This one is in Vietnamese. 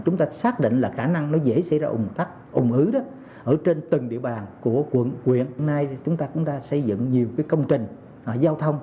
ở trên từng địa bàn của quận quyện nay chúng ta cũng đã xây dựng nhiều công trình giao thông